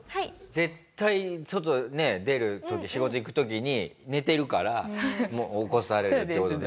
絶対外出る時仕事行く時に寝てるから起こされるっていう事ね。